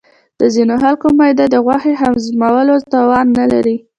د ځینې خلکو معده د غوښې هضمولو توان نه لري.